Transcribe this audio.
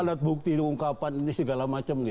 alat bukti diungkapkan segala macam